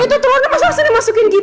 itu telurnya masa masa nih masukin gitu sih